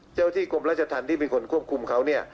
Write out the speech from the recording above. เจ้าที่กรมราชทันที่เป็นคนควบคุมเขา